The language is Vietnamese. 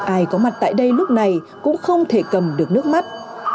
ai có mặt tại đây lúc này cũng không thể cầm được nước mắt